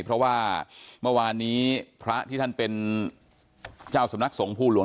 เพราะว่าเมื่อวานนี้พระที่ท่านเป็นเจ้าสำนักสงภูหลวง